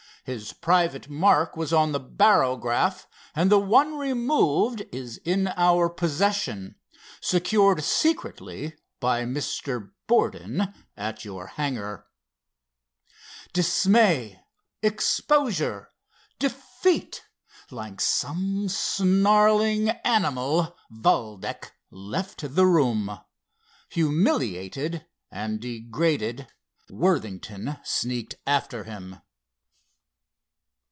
"His private mark was on the barograph and the one removed is in our possession, secured secretly by Mr. Borden at your hangar." Dismay, exposure, defeat!—like some snarling animal Valdec left the room. Humiliated and degraded Worthington sneaked after him.